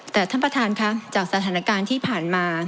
แต่ท่านประธานค่ะจากสถานการณ์ที่ผ่านมา